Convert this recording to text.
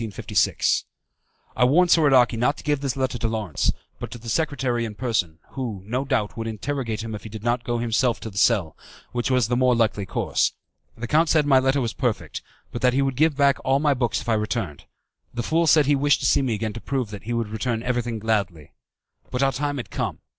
I warned Soradaci not to give this letter to Lawrence, but to the secretary in person, who, no doubt, would interrogate him if he did not go himself to the cell, which was the more likely course. The count said my letter was perfect, but that he would give me back all my books if I returned. The fool said he wished to see me again to prove that he would return everything gladly. But our time was come.